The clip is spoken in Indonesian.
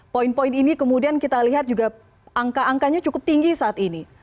poin poin ini kemudian kita lihat juga angka angkanya cukup tinggi saat ini